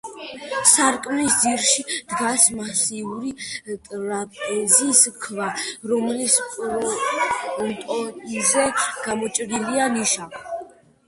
სარკმლის ძირში დგას მასიური ტრაპეზის ქვა, რომლის ფრონტონზე გამოჭრილია ნიშა.